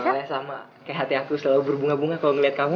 soalnya sama kayak hati aku selalu berbunga bunga kalau ngeliat kamu